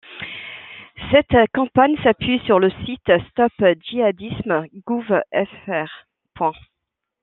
Cette campagne s'appuie sur le site stop-djihadisme gouv fr.